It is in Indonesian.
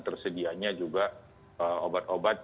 tersediaannya juga obat obat